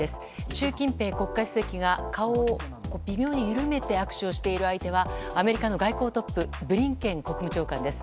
習近平国家主席が顔を微妙に緩めて握手をしている相手はアメリカの外交トップブリンケン国務長官です。